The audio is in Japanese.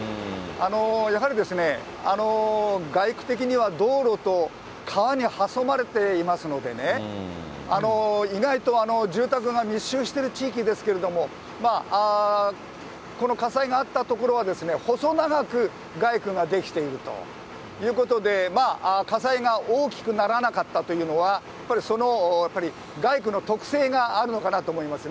やはり、街区的には道路と川に挟まれていますのでね、意外と住宅が密集している地域ですけれども、この火災があった所は細長く街区が出来ているということで、火災が大きくならなかったというのは、やはりその街区の特性があるのかなと思いますね。